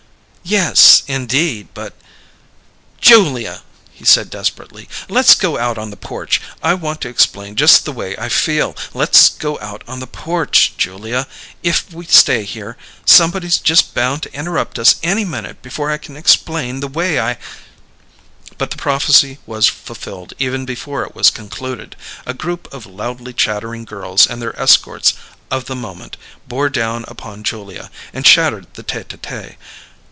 "Yes, indeed, but " "Julia," he said desperately, "let's go out on the porch. I want to explain just the way I feel. Let's go out on the porch, Julia. If we stay here, somebody's just bound to interrupt us any minute before I can explain the way I " But the prophecy was fulfilled even before it was concluded. A group of loudly chattering girls and their escorts of the moment bore down upon Julia, and shattered the tête à tête.